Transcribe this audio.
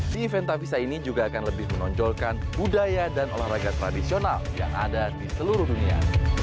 di event tavisa ini juga akan lebih menonjolkan budaya dan olahraga tradisional yang ada di seluruh dunia